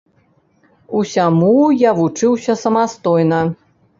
Усяму я вучыўся самастойна.